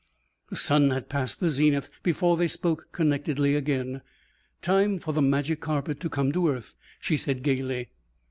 The sun had passed the zenith before they spoke connectedly again. "Time for the magic carpet to come to earth," she said gaily.